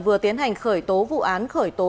vừa tiến hành khởi tố vụ án khởi tố